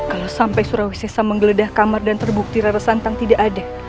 kalau sampai surawisesa menggeledah kamar dan terbukti rara santang tidak ada